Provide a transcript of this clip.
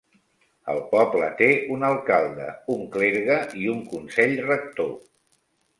El poble té un alcalde, un clergue i un consell rector.